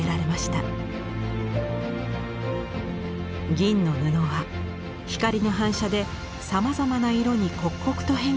銀の布は光の反射でさまざまな色に刻々と変化しました。